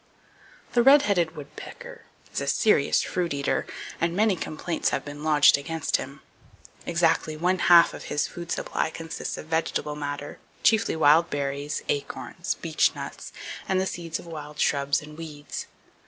The Red Headed Woodpecker is a serious fruit eater, and many complaints have been lodged against him. Exactly one half his food supply consists of vegetable matter, chiefly wild berries, acorns, beechnuts, and the seeds of wild shrubs and weeds.